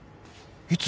いつ？